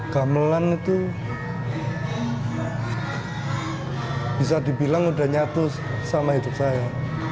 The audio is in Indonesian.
gamelan itu bisa dibilang sudah nyatu sama hidup saya